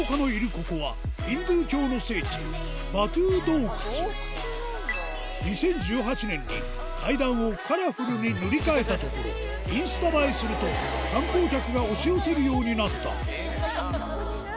ここは２０１８年に階段をカラフルに塗り替えたところインスタ映えすると観光客が押し寄せるようになったええねんな。